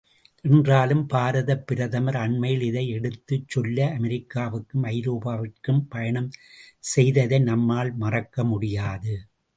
என்றாலும் பாரதப் பிரதமர் அண்மையில் இதை எடுத்துச் சொல்ல அமெரிக்காவுக்கும் ஐரோப்பாவிற்கும் பயணம் செய்ததை நம்மால் மறக்க முடியாது.